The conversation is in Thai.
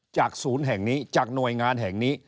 จากศูนย์แห่งนี้จากหน่วยงานแห่งนี้